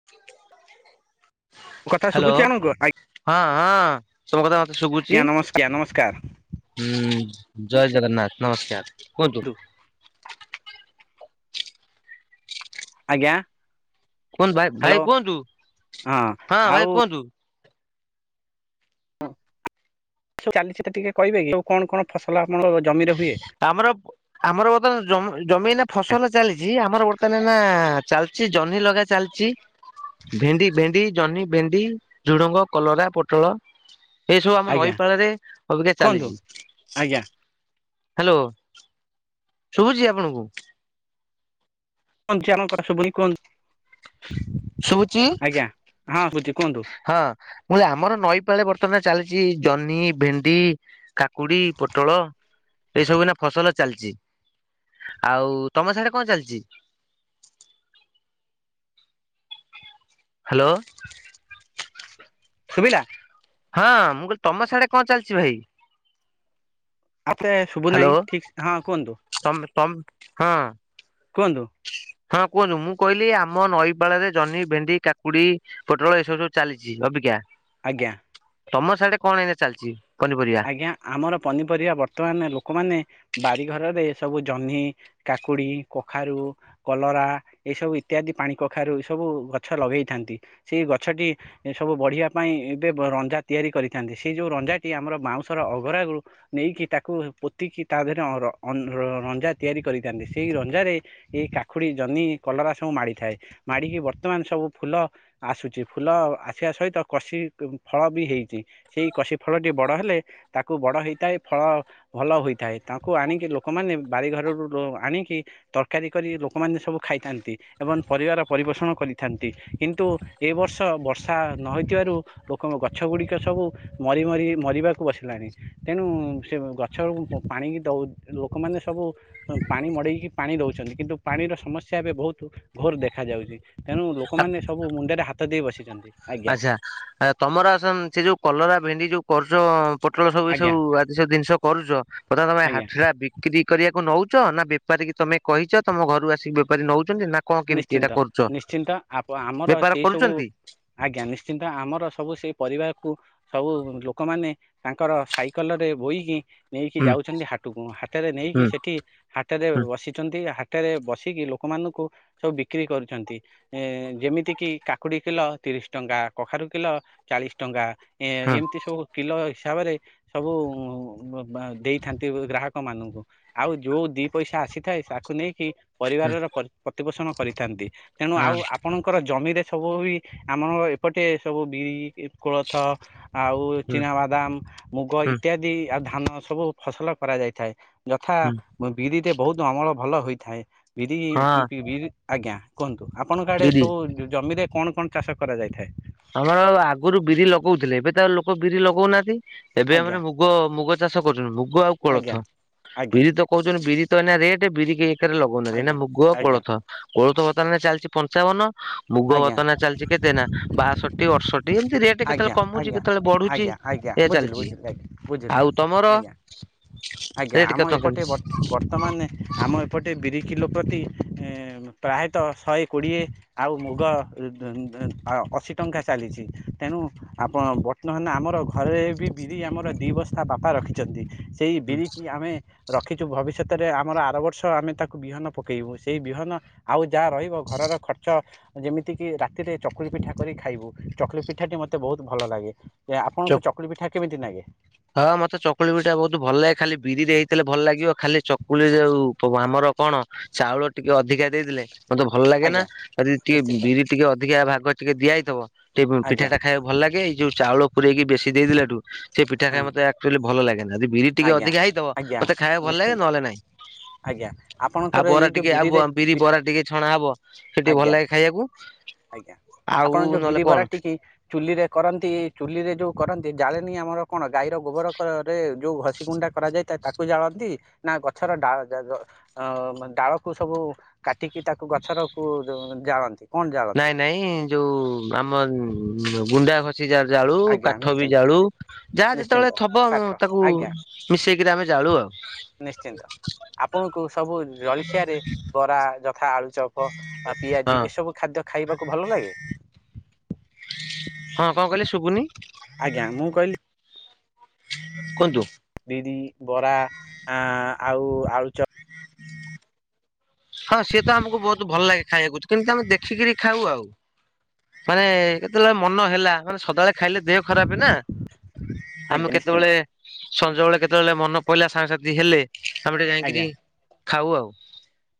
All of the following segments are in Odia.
[unintelligible] କଥା ହ୍ୟାଲୋ ଶୁବୁଚି ଆଣକୁ ଆଇ ହଁ ହଁ ତୁମ କଥା ମତେ ଶୁବୁଚି। ଆଜ୍ଞା ନମସ୍କାର ନମସ୍କାର ହୁଁ ଜୟ ଜଗନ୍ନାଥ। ନମସ୍କାର କୁହନ୍ତୁ। ନ୍ତୁ। ଆଜ୍ଞା। କୁହନ୍ତୁ ଭାଇ ହ୍ୟାଲୋ ଭାଇ କୁହନ୍ତୁ। ହଁ ଆଉ ଭାଇ କୁହନ୍ତୁ। ସବୁ ଚାଲିଚି ତ ଟିକେ କହିବେ କି? ଆଉ କଣ କଣ ଫସଲ ଆପଣଙ୍କ ଜମିରେ ହୁଏ? ଆମର ଆମର ବର୍ତ୍ତମାନ ଜମ ଜମି ଏଇନା ଫସଲ ଚାଲିଚି। ଆମର ବର୍ତ୍ତମାନ ଏନା ଚାଲ୍ ସେ ଜହ୍ନି ଲଗା ଚାଲିଛି। ଭେଣ୍ଡି ଭେଣ୍ଡି ଜହ୍ନି, ଭେଣ୍ଡି, ଝୁଡ଼ଙ୍ଗ, କଲରା, ପୋଟଳ ଏଇ ସବୁ ଆମ ଆଜ୍ଞା ନଈପାଳ ରେ ଅବିକା କୁହନ୍ତୁ ଚାଲିଚି। ଆଜ୍ଞା। ହାଲୋ। ଶୁଭୁଚି ଆପଣଙ୍କୁ? କଣ [unintelligible] ଶୁଭୁନି କୁହନ୍ତୁ। ଶୁବୁଚି? ଆଜ୍ଞା ହଁ ବୁଝି କୁହନ୍ତୁ ହଁ। ମୁଁ ଅଲେ ଆମର ନଈ ପାଳେ ବର୍ତ୍ତମାନ ଚାଲିଚି ଜହ୍ନି, ଭେଣ୍ଡି କାକୁଡି, ପୋଟଳ ଏଇ ସବୁ ଏଇନା ଫସଲ ଚାଲିଚି। ଆଉ ତମ ସିଆଡେ କଣ ଚାଲିଚି? ହାଲୋ। ଶୁବିଲା? ହଁ ମୁଁ କହିଲି ତମ ସିଆଡେ କଣ ଚାଲିଚି ଭାଇ? ଆପ୍ ରେ ଶୁଭୁ ହ୍ୟାଲୋ ନାହିଁ ଠିକ୍ ହଁ କୁହନ୍ତୁ ତମେ ତମ ହଁ କୁହନ୍ତୁ। ହଁ କୁହନ୍ତୁ। ମୁଁ କହିଲି ଆମ ନଈ ପାଳରେ ଜହ୍ନି, ଭେଣ୍ଡି, କାକୁଡି ପୋଟଳ ଏ ସବୁ ସବୁ ଚାଲିଚି ଅବିକା। ଆଜ୍ଞା। ତମ ସାଡେ କଣ ଏଇନା ଚାଲିଚି ପନିପରିବା? ଆଜ୍ଞା ଆମର ପନିପରିବା ବର୍ତ୍ତମାନ ଲୋକମାନେ ବାରି ଘରରେ ସବୁ ଜହ୍ନି କାକୁଡି, କଖାରୁ କଲରା ଏସବୁ ଇତ୍ୟାଦି ପାଣି କଖାରୁ ଏ ସବୁ ଗଛ ଲଗେଇଥାନ୍ତି। ସେଇ ଗଛଟି ସବୁ ବଢିବା ପାଇଁ ଏବେ ରଞ୍ଜା ତିଆରି କରିଥାନ୍ତି ସେଇ ଯୋଉ ରଞ୍ଜାଟି ଆମର ବାଉଁଶର ଅଗ୍ରାଗରୁ ନେଇକି ତାକୁ ପୋତିକି ତା ଦେହରେ ଅ ର ର ରଞ୍ଜା ତିଆରି କରିଥାନ୍ତି ସେଇ ରଞ୍ଜାରେ ଏଇ କାଖୁଡି, ଜହ୍ନି, କଲରା ସବୁ ମାଡିଥାଏ ମାଡିକି ବର୍ତ୍ତମାନ ସବୁ ଫୁଲ ଆସୁଚି ଫୁଲ ଆସିବା ସହିତ କଷି ଫଳ ବି ହେଇଚି ସେଇ କଷି ଫଳଟି ବଡ ହେଲେ ତାକୁ ବଡ ହେଇଥାଏ ଫଳ ଭଲ ହୋଇଥାଏ ତାଙ୍କୁ ଆଣିକି ଲୋକମାନେ ବାରିଘରରୁ ଆଣିକି ତରକାରୀ କରି ଲୋକମାନେ ସବୁ ଖାଇଥାନ୍ତି। ଏବଂ ପରିବାର ପରିପୋଷଣ କରିଥାନ୍ତି କିନ୍ତୁ ଏବର୍ଷ ବର୍ଷା ନ ହୋଇଥିବାରୁ ଲୋକଙ୍କ ଗଛଗୁଡିକ ସବୁ ମରି ମରି ମରିବାକୁ ବସିଲାଣି ତେଣୁ ସେ ଗଛ ପାଣିକି ଦଉ ଲୋକମାନେ ସବୁ ପାଣି ମଡେଇକି ପାଣି ଦଉଛନ୍ତି କିନ୍ତୁ ପାଣିର ସମସ୍ୟା ଏବେ ବହୁତ ଘୋର ଦେଖା ଯାଉଚି। ତେଣୁ ଲୋକମାନେ ସବୁ ମୁଣ୍ଡରେ ହାତ ଦେଇ ବସିଚନ୍ତି। ଆଚ୍ଛା ତମର ଆସ ସେ ଯୋଉ କଲରା, ଭେଣ୍ଡି ଯୋଉ କରୁଚ ପୋଟଳ ସବୁ ଆଜ୍ଞା ଏସବୁ ଆଦି ସ ଜିନିଷ କରୁଚ ତ ତାକୁ ତମେ ଆଜ୍ଞା ହାଟେରେ ବି କ୍ରି କରିଆକୁ ନଉଚ ନା ବେପାରୀ କି ତମେ କହିଚ ତମ ଘରୁ ଆସି ବେପାରୀ ନଉଚନ୍ତି ନା କଣ କେମିତି ଏଇଟା ନିଶ୍ଚିନ୍ତ କରୁଛ ନିଶ୍ଚିନ୍ତ ଆ ଆମର ବେପାର ସେଇ ସବୁ କରୁଛନ୍ତି? ଆଜ୍ଞା ନିଶ୍ଚିନ୍ତ ଆମର ସବୁ ସେଇ ପରିବାକୁ ସବୁ ଲୋକମାନେ ତାଙ୍କର ସାଇକଲରେ ବୋହିକି ନେଇକି ହୁଁ ଯାଉଛନ୍ତି ହାଟୁକୁ ହାଟରେ ନେଇକି ହୁଁ ସେଠି ହାଟରେ ହୁଁ ବସିଛନ୍ତି ହାଟେରେ ବସିକି ଲୋକମାନଙ୍କୁ ସବୁ ବିକ୍ରି କରୁଛନ୍ତି। ଏ ଯେମିତି କିି କାକୁଡି କିଲ ତିରିଶ ଟଙ୍କା କଖାରୁ କିଲ ଚାଳିଶ ଟଙ୍କା। ଏ ହଁ ଏମତି ସବୁ କିଲ ହିସାବରେ ସବୁ ଉଁ ଦେଇଥାନ୍ତି ଗ୍ରାହକ ମାନଙ୍କୁ ଆଉ ଯୋଉ ଦିପଇସା ଆସିଥାଏ ତାକୁ ନେଇକି ହଁ ପରିବାରର ପ୍ର ପ୍ରତିପୋଷଣ କରିଥାନ୍ତି ତେଣୁ ହଁ ଆଉ ଆ ଆପଣଙ୍କର ଜମିରେ ସବୁ ବି ଆମର ଏପଟେ ସବୁ ବିରି, କୋଳଥ ଆଉ ହୁଁ ଚିନାବାଦାମ, ମୁଗ ହୁଁ ଇତ୍ୟାଦି ଆଉ ଧାନ ସବୁ ଫସଲ କରାଯାଇଥାଏ। ଯଥା ହୁଁ ବିରିରେ ବହୁତ ଅମଳ ଭଲ ହୋଇଥାଏ ବିରି ହଁ ବିରି ଆଜ୍ଞା କୁହନ୍ତୁ ଆପଣଙ୍କ ଆଡେ ବିରି ସବୁ ଜମିରେ କଣ କଣ ଚାଷ କରାଯାଇଥାଏ? ଧର ଆଗରୁ ବିରି ଲଗଉଥିଲେ ଏବେ ତ ଲୋକ ବିରି ଲଗଉନାହାଁନ୍ତି ଏବେ ଆମର ଆଜ୍ଞା ମୁଗ ମୁଗ ଚାଷ କରୁଛନ୍ତି ମୁଗ ଆଉ କୋଳଥ ଆଜ୍ଞା ଆଜ୍ଞା ବିରି ତ କହୁଛନ୍ତି ବିରି ତ ଏଇନା ରେଟ୍ ବିରି କେ ଏକରେ ଲଗଉନି ନା ଆଜ୍ଞା ମୁଗ ଆଜ୍ଞା କୋଳଥ। କୋଳଥ ବର୍ତ୍ତମାନ ଚାଲିଚି ପଞ୍ଚାବନ ମୁଗ ଆଜ୍ଞା ବର୍ତ୍ତମାନ ଚାଲିଚି କେତେ ନା ବାଷ ଟିଏ ଅଠଷଟି ଏମତି ରେଟ୍ ଆଜ୍ଞା କେତେବେଳେ ଆଜ୍ଞା କମୁଚି ଆଜ୍ଞା କେତେବେଳେ ବଢୁଚି ଆଜ୍ଞା ଆଜ୍ଞା ଏଇଆ ବୁଝିଲି ଚାଲିଚି। ବୁଝିଲି ଆଜ୍ଞା ବୁଝିଲି ଆଜ୍ଞା ଆଜ୍ଞା ରେଟ୍ ଆମ କେତେ ଏପଟେ କେମିତି? ବ ବର୍ତ୍ତମାନ ଆମ ଏପଟେ ବିରି କିଲୋ ପ୍ରତି ଏଁ ପ୍ରାୟତଃ ଶହେ କୋଡିଏ ଆଉ ମୁଗ ଉଁ ଅଶି ଟଙ୍କା ଚାଲିଚି। ତେଣୁ ଆପଣ ବର୍ତ୍ତମାନ ଆମର ଘରେ ବି ବିରି ଆମର ଦି ବସ୍ତା ବାପା ରଖିଚନ୍ତି। ସେଇ ବିରିକି ଆମେ ରଖିଚି ଭବିଷ୍ୟତରେ ଆମର ଆରବର୍ଷ ଆମେ ତାକୁ ବିହନ ପକେଇବୁ ସେଇ ବିହନ ଆଉ ଯାହା ରହିବ ଘରର ଖର୍ଚ୍ଚ ଯେମିତି କିି ରାତିରେ ଚକୁଳି ପିଠା କରି ଖାଇବୁ ଚକୁଲି ପିଠାଟି ମୋତେ ବହୁତ ଭଲ ଲାଗେ ଯେ ଆପଣଙ୍କୁ ଚକୁଳି ପିଠା କେମିତି ଲାଗେ? ହଁ ମତେ ଚକୁଳି ପିଠା ବହୁତ ଭଲ ଲାଗେ ଖାଲି ବିରିରେ ହେଇଥିଲେ ଭଲ ଲାଗିବ। ଖାଲି ଚକୁଳି ଯୋଉ ଆମର କଣ ଚାଉଳ ଟିକେ ଅଧିକା ଦେଇଦେଲେ ମୋତେ ଭଲ ଲାଗେ ନା ଆଜ୍ଞା ଯଦି ଟିକେ ନିଶ୍ଚିନ୍ତ ବିରି ଟିକେ ଅଧିକା ଭାଗ ଟିକେ ଦିଆ ହେଇଥିବ ଟିକେ ଆଜ୍ଞା ପିଠାଟା ଖାଇବାକୁ ଭଲ ଲାଗେ ଏଇ ଯୋଉ ଚାଉଳ ପୁରେଇକି ବେଶୀ ଦେଇଦେଲା ଠୁ ସେ ପିଠା ହଁ ଖାଇବାକୁ ମୋତେ ଆକଚୁଆଲି ଭଲ ଲାଗେ ନା ଯଦି ବିରି ଟିକେ ଆଜ୍ଞା ଅଧିକା ହେଇଥବ ଆଜ୍ଞା ମୋତେ ଖାଇବାକୁ ଭଲ ଲାଗେ ନିଶ୍ଚିନ୍ତ ନହେଲେ ନାଇଁ। ଆଜ୍ଞା ଆଉ ଆପଣଙ୍କର ବରା ଏଇ ଯୋଉ ଟିକେ ଆଉ ବିରିରେ ବ ବିରି ବି- ବରା ଟିକେ ଛଣା ହବ ସେ ଟିକେ ଭଲ ଆଜ୍ଞା ଲାଗେ ଖାଇବାକୁ। ହଁ। ଆଜ୍ଞା ଆପଣ ଯୋଉ ବିରିି ବରା ଟିକି ଚୁଲିରେ କରନ୍ତି ଚୁଲିରେ ଯୋଉ କରନ୍ତି ଜାଳେନୀ ଆମର କଣ ଗାଈର ଗୋବର ଖ ରେ ଯୋଉ ଘଷି ଗୁଣ୍ଡା କରାଯାଏ। ତା ତାକୁ ଜାଳନ୍ତି ନା ଗଛର ଡାଳ ଯ ଗ ଅ ଡାଳକୁ ସବୁ କାଟିକି ତାକୁ ଗଛର କୁ ଜାଳନ୍ତି କଣ ଜାଳ ନାଇଁ ନାଇଁ ଯୋଉ ଆମ ଗୁଣ୍ଡା ଘସି ସେ ଯା ଜାଳୁ ଆଜ୍ଞା କାଠ ବି ନିଶ୍ଚିନ୍ତ ଜାଳୁ ଯାହା ନିଶ୍ଚିନ୍ତ ଯେତେବେଳେ ଥବ କାଠ ତାକୁ ଆଜ୍ଞା ମିଶେଇକିରି ଆମେ ଜାଳୁ ଆଉ। ନିଶ୍ଚିନ୍ତ ଆପଣଙ୍କୁ ସବୁ ଜଳଖିଆରେ ବରା ତଥା ଆଳୁଚଅପ ଆ ହଁ ପିଆଜି ଏସବୁ ଖାଦ୍ୟ ଖାଇବାକୁ ଭଲ ଲାଗେ। ହଁ କଣ କହିଲେ ଶୁଭୁନି। ଆଜ୍ଞା ମୁଁ କହିଲି କୁହନ୍ତୁ। ବିରି ବରା ଆ ଆଉ ଆଳୁଚପ୍। ହଁ ସିଏ ତ ଆମକୁ ବହୁତ ଭଲ ଲାଗେ ଖାଇବାକୁ କିନ୍ତୁ ଆମେ ଦେଖିକିରି ଖାଉ ଆଉ। ମାନେ କେତେବେଳେ ମନ ହେଲା ମାନେ ସଦାବେଳେ ଖାଇଲେ ଦେହ ଖରାପ ନା ଆମେ ଆଜ୍ଞା ନିଶ୍ଚିନ୍ତ କେତେବେଳେ ସଞ୍ଜ ବଳେ କେତେବେଳେ ମନ ପଇଲା ସାଙ୍ଗସାଥି ହେଲେ ଆମେ ଟିକେ ଆଜ୍ଞା ଯାଇକିରି ଖାଉ ଆଉ।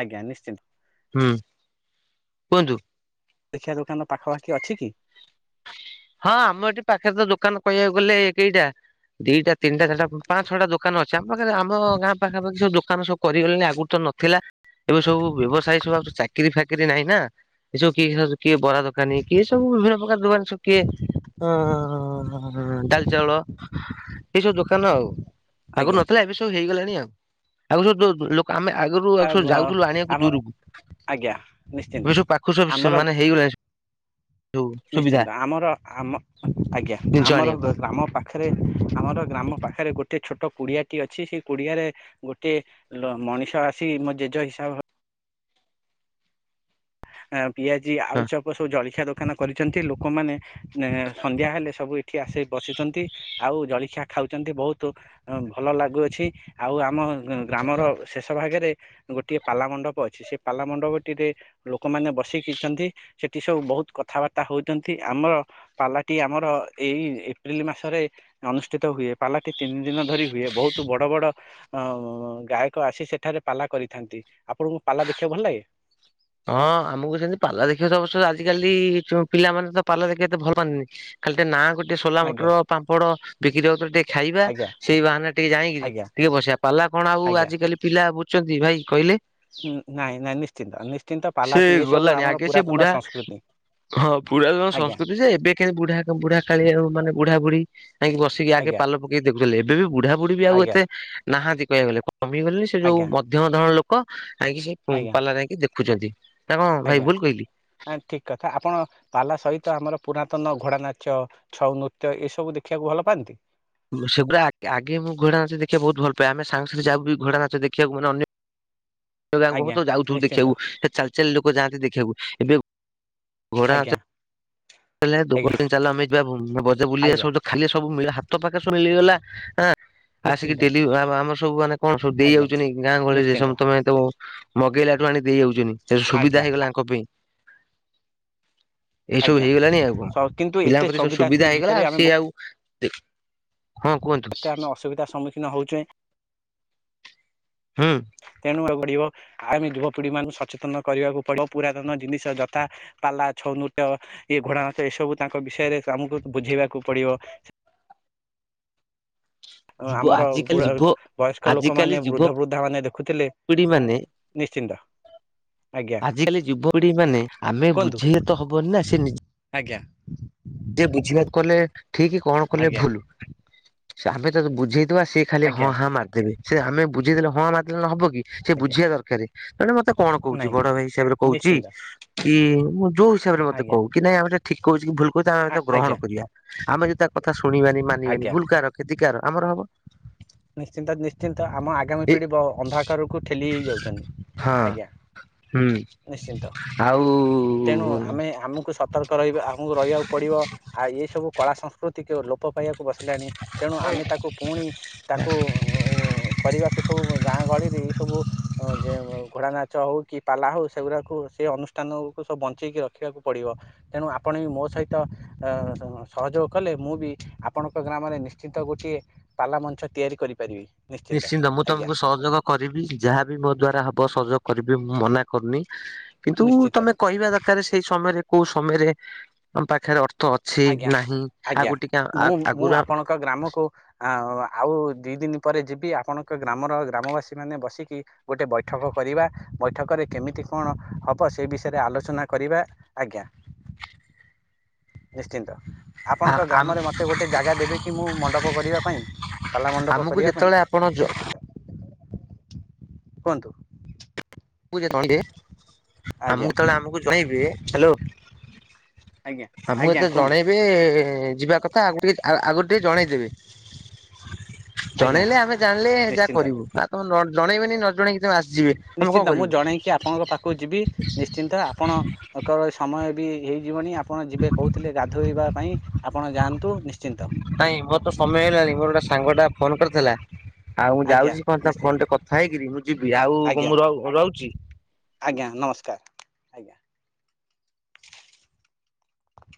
ଆଜ୍ଞା ନିଶ୍ଚିନ୍ତି। ହୁଁ। କୁହନ୍ତୁ। ଜଳଖିଆ ଦୋକାନ ପାଖପାଖି ଅଛି କି। ହଁ ଆମ ଏଠି ପାଖରେ ତ ଦୋକାନ କହିବାକୁ ଗଲେ କେଇଟା ଦିଟା ତିନିଟା ଚାରିଟା ପାଞ୍ଚ୍ ଛଅଟା ଦୋକାନ ଅଛି ଆମ ପାଖରେ ଆମ ଗାଁ ପାଖା ପାଖି ସବୁ ଦୋକାନ ସବୁ କରି ଗଲେଣି ଆଗରୁ ତ ନଥିଲା। ଏବେ ସବୁ ବ୍ୟବସାୟ ସବୁ ଆଉ ଚାକିରି ଫାକିରି ନାହିଁ ନା ଏସବୁ କି କିଏ ବରା ଦୋକାନୀ କିଏ ସବୁ ବିଭିନ୍ନ ପ୍ରକାର ଦୋକାନୀ ସବୁ କିଏ ଅଁ ଡାଲି ଚାଉଳ ଏଇସବୁ ଦୋକାନ ଆଉ ଆଗରୁ ଆଜ୍ଞା ନଥିଲା ଏବେ ସ ତୁ ହେଇଗଲାଣି ଆଉ ଆଗ ସବୁ ଦୋ ଲୋ ଆମେ ଆଗରୁ ଆ ଆଗ ସବୁ ବ ଯାଉଥିଲୁ ଆଣିବାକୁ ଆମ ଦୂରୁକୁ। ଆଜ୍ଞା ନିଶ୍ଚିନ୍ତ ଏବେ ସବୁ ପାଖକୁ ସବୁ ସେ ଆମର ମାନେ ହେଇଗଲାଣି। ସବୁ ସୁବିଧା ନିଶ୍ଚିନ୍ତ ଆମର ଆମ ଆଜ୍ଞା ଜିନିଷ ଆମର ଆଣିବାକୁ। ଆମ ପାଖ ପାଖରେ ଆମର ଗ୍ରାମ ପାଖରେ ଗୋଟେ ଛୋଟ କୁଡ଼ିଆଟି ଅଛି ସେ କୁଡ଼ିଆରେ ଗୋଟେ ଲ ମଣିଷ ଆସି ମୋ ଜେଜ ହିସାବ ପିଆଜି ଆଳୁଚପ୍ ସବୁ ଜଳଖିଆ ଦୋକାନ କରିଛନ୍ତି ଲୋକମାନେ ସନ୍ଧ୍ୟା ହେଲେ ସବୁ ଏଠି କଆସି ବସୁଛନ୍ତି ଆଉ ଜଳଖିଆ ଖାଉଛନ୍ତି ବହୁତୁ। ଭଲ ଲାଗୁଅଛି ଆଉ ଆମ ଗ୍ରାମର ଶେଷ ଭାଗରେ ଗୋଟିଏ ପାଲା ମଣ୍ଡପ ଅଛି ସେ ପାଲା ମଣ୍ଡପଟିରେ ଲୋକମାନେ ବସିକିଛନ୍ତି ସେଠି ସବୁ ବହୁତ୍ କଥାବାର୍ତ୍ତା ହଉଛନ୍ତି ଆମର ପାଲାଟି ଆମର ଏଇ ଏପ୍ରିଲ ମାସରେ ଅନୁଷ୍ଠିତ ହୁଏ ପାଲାଟି ତିନି ଦିନ ଧରି ହୁଏ ବହୁତୁ ବଡ ବଡ ଅଁ ଗାୟକ ଆସି ସେଠାରେ ପାଲା କରିଥାନ୍ତି ଆପଣଙ୍କୁ ପାଲା ଦେଖିବାକୁ ଭଲ ଲାଗେ। ହଁ ଆମକୁ ସେମିତି ପାଲା ଦେଖିବା ସବୁ ଛୁଆ ଆଜିକାଲି ପିଲାମାନେ ତ ପାଲା ଦେଖିବା ଏତେ ଭଲ ପାଆନ୍ତିନି। ଖାଲି ଟିକେ ନା କୁ ଟିକେ ସୋଲା ଆଜ୍ଞା ମଟର ପାମ୍ପଡ ବିକ୍ରି ହଉଛନ୍ତି। ଖାଇବା ଆଜ୍ଞା ସେଇ ବାହାନା ରେ ଟିକେ ଯାଇକିରି ଆଜ୍ଞା ଟିକେ ବସିବା ପାଲା କଣ ଆଉ ଆଜ୍ଞା ଆଜିକାଲି ପିଲା ବୁଝୁଛନ୍ତି ଭାଇ କହିଲେ। ନାଇଁ ନାଇଁ ନିଶ୍ଚିନ୍ତ ନିଶ୍ଚିନ୍ତ ସେ ପାଲାକୁ ଏ ସବୁ ଗଲାଣି ଆମର ଆଗେ ସେ ପୁରାତନ ବୁଢା ସଂସ୍କୃତି। ହଁ ପୁରାତନ ଆଜ୍ଞା ସଂସ୍କୃତି ଯେ ଏବେ କେ ବୁଢା ବୁଢାକାଳିଆ ମାନେ ବୁଢା ବୁଢୀ ଯାଇକି ବିସିକି ଆଗେ ଆଜ୍ଞା ପାଲ ପକେଇ ଦେଖୁଥିଲେ ଏବେ ବି ବୁଢା [unintelligible] ବି ଆଉ ଆଜ୍ଞା ଏତେ ନାହାନ୍ତି କହିବାକୁ ଗଲେ କମିଗଲେ ସେ ଯୋଉ ଆଜ୍ଞା ମଧ୍ୟମ ଧରଣ ଲୋକ [unintelligible] ସେ ହୁଁ ଆଜ୍ଞା ପାଲା ଯାଇକି ଦେଖୁଚନ୍ତି, ନା କଣ ଭାଇ ଭୁଲ୍ କହିଲି? ନା ଠିକ୍ କଥା, ଆପଣ ପାଲା ସହିତ ଆମର ପୁରା ତନ ଘୋଡ଼ା ନାଚ ଛଉ ନୃତ୍ୟ ଏସବୁ ଦେଖିବାକୁ ଭଲ ପାଆନ୍ତି। ସେଗୁରା ଆଗେ-ଆଗେ ମୁଁ ଘୋଡା ନାଚ ଦେଖିବା ବହୁତ୍ ଭଲ ପାଏ, ଆମେ ସାଙ୍ଗ ସାଥି ଯାଉବିି ଘୋଡା ନାଚ ଦେଖିବାକୁ ମାନେ ଅନ୍ୟ ଗାଁ କୁ ଆଜ୍ଞା [unintelligible] ନିଶ୍ଚିନ୍ତ ଦେଖିବାକୁ ସେ ଚାଲି-ଚାଲି ଲୋକ ଯାଆନ୍ତି ଦେଖିବାକୁ ଏବେ ଘୋଡା ଆଜ୍ଞା ନାଚ ଦୋ ଆଜ୍ଞା ଦିନ ଚାଲ ଆମ ଯିବା [unintelligible] ବୁଲିବା ଆଜ୍ଞା ସବୁ ଖାଲି ସବୁ [unintelligible] [unintelligible] ପାଖେରେ [unintelligible] ମିଳିଗଲା ହଁ ଆସିକି ନିଶ୍ଚିନ୍ତ ଡେଲି ଆମର ସବୁ ମାନେ କଣ ସବୁ ଦେଇ ଆଜ୍ଞା ଯାଉଚନ୍ତି ଗାଁ ଗହଳିରେ ନିଶ୍ଚିନ୍ତ [unintelligible] ତ ମଗେଇଲାଠୁ ଆଣି ଦେଇ ଯାଉଚନ୍ତି। ସୁବିଧା ଆଜ୍ଞା ହେଇଗଲା ଆ- ଆଙ୍କ ପେଇଁ। ଏଇସବୁ ଆଜ୍ଞା ହେଇଗଲାଣିି ଆଉ କଣ, ସ- କିନ୍ତୁ ଏତେ ପିଲାଙ୍କ ପ୍ରତି ସବୁ ସୁବିଧା ହେଇଗଲା ଭିତରେ ଆଉ ଆମେ ସିଏ ବହୁ- ଆଉ ହଁ କୁହନ୍ତୁ କେତେ ଆମେ ଅସୁବିଧା ସମ୍ମୁଖୀନ ହେଉଚେ। ହୁଁ। ତେଣୁ ଏ [unintelligible] ଆମେ ଯୁବପିଢି ମାନଙ୍କୁ ସଚେତନ କରିବାକୁ ପଡିବ, ପୁରାତନ ଜିନିଷ ଯଥା ପାଲା ଛଉ ନୃତ୍ୟ ଏ ଘୋଡ଼ା ନାଚ ଏସବୁ ତାଙ୍କ ବିଷୟରେ ଆମୁକୁ ବୁଝେଇବାକୁ ପଡିବ। ଆଉ ଯୁବ ଆମର ଆଜିକାଲି ଯୁବ ବୟସ୍କ ଆଜିକାଲି ଲୋକମାନେ ବୃଦ୍ଧ ଯୁବପିଢି ବୃଦ୍ଧା ମାନେ ଦେଖୁଥିଲେ। ମାନେ ନିଶ୍ଚିନ୍ତ। ଆଜ୍ଞା ଆଜିକାଲି ଯୁବପିଢି ମାନେ ଆମେ କୁହନ୍ତୁ ବୁଝେଇଲେ ତ ହବନି ନା, ସେ ନିଜେ ଆଜ୍ଞା। [unintelligible] ବୁଝିବାକୁ କଲେ ଠିକ୍ କଣ କଲେ ଆଜ୍ଞା ଭୁଲ୍ ଆମେ ତ ବୁଝେଇଦବା ସେ ଖାଲି ହଁ ଆଜ୍ଞା ହାଁ ମାରିଦବେ ସେ ଆମେ ବୁଝେଇଦେଲେ ହଁ ହାଁ ମାରିଦେଲେ ନ ହବକି, ସେ ଆଜ୍ଞା ବୁଝିବା ଦରକାରେ। ଜଣେ ମତେ କଣ କହୁଚି ନାଇଁ ବଡ ଭାଇ ହିସାବରେ କହୁଚି ନିଶ୍ଚିନ୍ତ କି ମୁଁ ଯୋଉ ହିସାବରେ ମତେ ଆଜ୍ଞା କହୁ। କି ନାଇଁ ଆମେ ଏଟା ଠିକ୍ କହୁଚି କି ଭୁଲ କହୁଚି ଆମେ ଆଗ ତାକୁ ଆଜ୍ଞା ଗ୍ରହଣ କରିବା, ଆମେ ଯଦି ତା କଥା ଶୁଣି ବାନି ମାନି ବାନି ଆଜ୍ଞା ଭୁଲ କାହାର? କ୍ଷେତି କାହାର ଆମର ହବ। ନିଶ୍ଚିନ୍ତ-ନିଶ୍ଚିନ୍ତ ଆମ ଆଗାମୀ ଏ ପିଢି ବ ଅନ୍ଧାକାରକୁ ଠେଲି ହେଇ ଯାଉଚନ୍ତି। ହଁ। ଆଜ୍ଞା ହୁଁ ନିଶ୍ଚିନ୍ତ, ଆଉ ତେଣୁ ଆମେ ଆମକୁ ସତ ର୍କ ରହିବେ ଆମକୁ ରହିବାକୁ ପଡିବ, ଆଉ ଏଇ ସବୁ କଳା ସଂସ୍କୃତିକୁ ଲୋପ ପାଇବାକୁ ବସି ଲାଣି ତେଣୁ ଆମେ ତାକୁ ପୁଣି ତାକୁ [unintelligible] କରିବାକୁ ସବୁ ଗାଁ ଗହଳିରେ ଏଇ ସବୁ ଅଁ ଯେ ଘୋଡ଼ା ନାଚ ହଉ କି ପାଲା ହଉ ସେଗୁରାକୁ ସେ ଅନୁଷ୍ଠାନକୁ ସବୁ ବଞ୍ଚେଇକି ରଖିବାକୁ ପଡିବ। ତେଣୁ ଆପଣ ବି ମୋ ସହିତ ଅଁ ସହଯୋଗ କଲେ ମୁଁ ବି ଆପଣଙ୍କ ଗ୍ରାମରେ ନିଶ୍ଚିତ ଗୋଟିଏ ପାଲା ମଞ୍ଚ ତିଆରି କରିପାରିବି। ନିଶ୍ଚିନ୍ତ ମୁଁ ତମୁକୁ ସହଯୋଗ କରିବି ଯାହାବି ମୋ ଦ୍ଵାରା ହବ ସହଯୋଗ କରିବି ମୁଁ ମନା କରୁନି। କିନ୍ତୁ ନିଶ୍ଚିତ ତମେ କହିବା ଦରକାରେ ସେଇ ସମୟରେ କୋଉ ସମୟରେ ତମ ପାଖେରେ ଅର୍ ର୍ଥ ଅଛି ଆଜ୍ଞା ନାହିଁ ଆଗରୁ ଟିକେ ଆଗରୁ ଏକ ଗ୍ରାମକୁ ଆ ଆଉ ଦି ଦିନ ପରେ ଯିବି ଆପଣଙ୍କ ଗ୍ରାମର ଗ୍ରାମବାସୀ ମାନେ ବସିକି ଗୋଟେ ବୈଠକ କରିବା, ବୈଠକରେ କେମିତି କଣ ହବ ସେ ବିଷୟରେ ଆଲୋଚନା କରିବା। ଆଜ୍ଞା। ନିଶ୍ଚିନ୍ତ। ଆପଣଙ୍କ ଗ୍ରାମରେ ମତେ ଗୋଟେ ଜାଗା ଦେବେ କି ମୁଁ ମଣ୍ଡପ କରିବା ପାଇଁ, ପାଲା ମଣ୍ଡପ କରି ଯେତବଳେ ଆପଣ ଯ କୁହନ୍ତୁ। ଜଣେଇବେ ଆଜ୍ଞା ଆମକୁ ଯେତେବେଳେ ଆମକୁ ଜଣେଇବେ, ହ୍ୟାଲୋ। ଆଜ୍ଞା ଆମକୁ ଆଜ୍ଞା ଯେତେବେଳେ କୁହନ୍ତୁ ଜଣେଇବେ ଯିବା କଥା, ଆଗକୁ ଟିକେ ଆଗୁ-ଆଗୁ ଟିକେ ଜଣେଇଦେବେ, ଆଜ୍ଞା ଜଣେଇଲେ ଆମେ ଜାଣିଲେ ଯାହା ନିଶ୍ଚିନ୍ତ କରିବୁ। ତମ ନ ଜଣେଇବେନି ନ ଜଣେଇକି ତମେ ଆସିଯିବେ। ଆମେ କଣ ନିଶ୍ଚିନ୍ତ ମୁଁ କରିବୁ ଜଣେଇକି ଆପଣଙ୍କ ପାଖକୁ କୁ ଯିବି ନିଶ୍ଚିନ୍ତ ଆପଣଙ୍କର ସମୟ ବି ହେଇଯିବଣି ଆପ ଆପଣ ଯିବେ କହୁଥିଲେ ଗାଧୋଇବା ପାଇଁ ଆପଣ ଯାଆନ୍ତୁ ନିଶ୍ଚିନ୍ତ। ନାଇଁ ମୋର ତ ସମୟ ହେଇଲାଣି ମୋର ଗୋଟେ ସାଙ୍ଗ ଟା ଫୋନ କରିଥିଲା, ଆଉ ମୁଁ ଆଜ୍ଞା ଯାଉଛି କହ ନିଶ୍ଚିନ୍ତ ଫୋନ ଟେ କ ଖାଇକିରି ମୁଁ ଯିବି ଆଉ ଆଜ୍ଞା ମୁଁ ର-ଉ ରହୁଛି। ଆଜ୍ଞା ନମସ୍କାର ଆଜ୍ଞା।